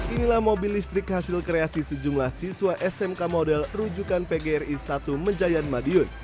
inilah mobil listrik hasil kreasi sejumlah siswa smk model rujukan pgri satu menjayan madiun